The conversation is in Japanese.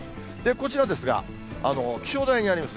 こちらですが、気象台にあります